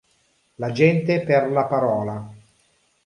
La gente per la parola.